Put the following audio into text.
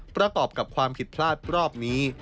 ประกอบกับความผิดพลาดรอบนี้